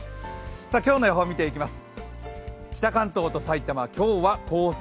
今日の予報見ていきます。